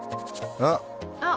あっ！